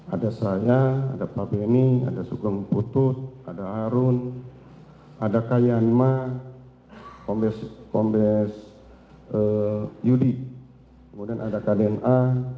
ada saya ada pak benny ada sugeng putut ada harun ada kayanma kombes yudi kemudian ada kdna